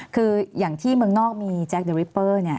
คืออย่างที่เมืองนอกมีแจ๊คเดอริปเปอร์เนี่ย